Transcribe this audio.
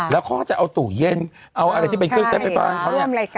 แล้วเขาก็จะเอาตู้เย็นเอาอะไรที่เป็นเครื่องเซฟไปบ้านเขาเนี่ย